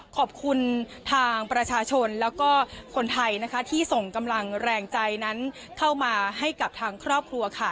ขอบคุณทางประชาชนแล้วก็คนไทยนะคะที่ส่งกำลังแรงใจนั้นเข้ามาให้กับทางครอบครัวค่ะ